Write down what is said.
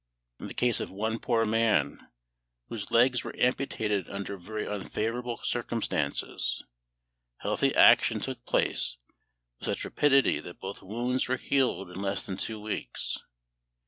In the case of one poor man, whose legs were amputated under very unfavourable circumstances, healthy action took place with such rapidity that both wounds were healed in less than two weeks.